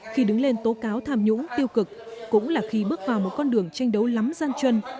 khi đứng lên tố cáo tham nhũng tiêu cực cũng là khi bước vào một con đường tranh đấu lắm gian chân